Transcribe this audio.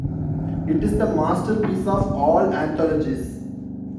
It is the masterpiece of all anthologies.